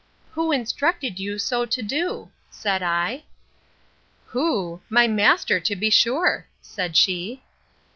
Who instructed you so to do? said I. Who! my master, to be sure, said she.